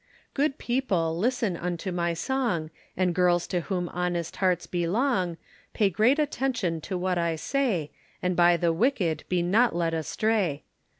Good people listen unto my song, And girls to whom honest hearts belong, Pay great attention to what I say, And by the wicked be not led astray.